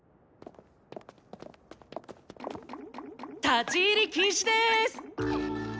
立ち入り禁止です！